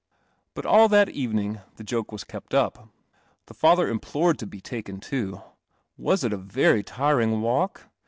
But all that evening the joke was kept up. The rather implored to be taken to. .\\.. it a very tiring walk